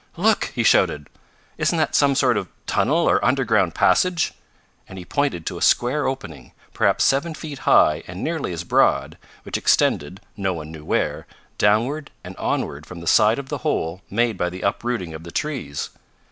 "Look!" he shouted. "Isn't that some sort of tunnel or underground passage?" and he pointed to a square opening, perhaps seven feet high and nearly as broad, which extended, no one knew where, downward and onward from the side of the hole made by the uprooting of the trees.